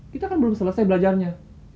kita kan belum selesai belajarnya